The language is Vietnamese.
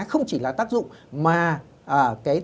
không chỉ là tác dụng mà